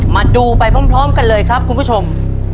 มาดูไปพร้อมกันเลยครับคุณผู้ชม